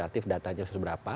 sertif datanya seberapa